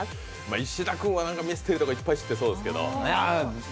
石田君はミステリーとかいっぱい知ってそうですけど？